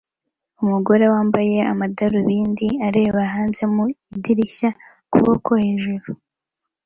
Umugore wambaye amadarubindi areba hanze mu idirishya ukuboko hejuru